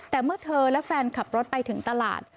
แต่เมื่อเธอและแฟนขับรถไปถึงตลาด